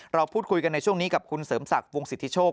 เราพูดคุยกันในช่วงนี้กับคุณเสริมศักดิ์วงสิทธิโชค